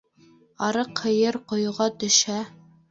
Арыҡ һыйыр ҡойоға төшһә